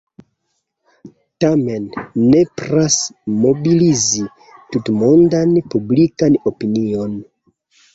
Tamen nepras mobilizi tutmondan publikan opinion.